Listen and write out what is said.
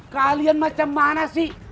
kalian macam mana sih